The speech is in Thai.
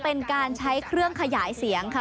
เป็นการใช้เครื่องขยายเสียงค่ะ